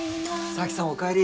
沙樹さんおかえり。